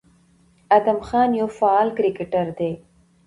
ادم خان يو فعال کرکټر دى،